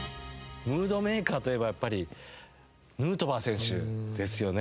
ムードメーカーといえばやっぱりヌートバー選手ですよね。